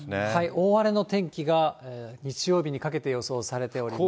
大荒れの天気が日曜日にかけて予想されております。